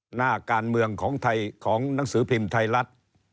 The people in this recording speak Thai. หน้าการเมืองของไทยของหนังสือพิมพ์ไทยรัฐ